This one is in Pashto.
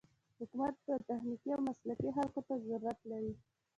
حکومت و تخنيکي او مسلکي خلکو ته ضرورت لري.